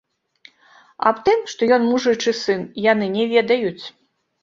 Аб тым, што ён мужычы сын, яны не ведаюць.